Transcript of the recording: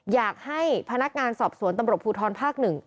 อยากให้พนักงานสอบสวนตำรวจภูทรภาค๑